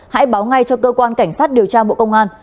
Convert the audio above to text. hãy báo ngay cho cơ quan cảnh sát điều tra bộ công an